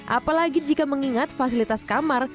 apalagi jika mengingat fasilitas kamar